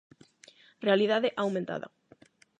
Realidade aumentada.